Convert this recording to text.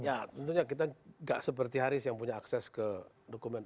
ya tentunya kita gak seperti haris yang punya akses ke dokumen